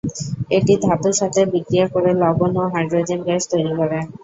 এটি ধাতুর সাথে বিক্রিয়া করে লবণ ও হাইড্রোজেন গ্যাস তৈরি করে।